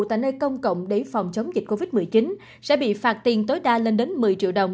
tại nơi công cộng để phòng chống dịch covid một mươi chín sẽ bị phạt tiền tối đa lên đến một mươi triệu đồng